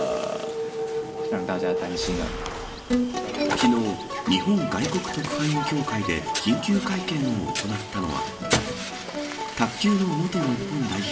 昨日、日本外国特派員協会で緊急会見を行ったのは卓球の元日本代表